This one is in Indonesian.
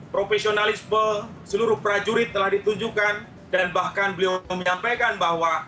profesionalisme seluruh prajurit telah ditunjukkan dan bahkan beliau menyampaikan bahwa